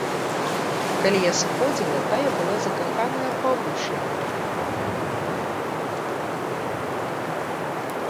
Калі я сыходзіла, тая была закаханая па вушы.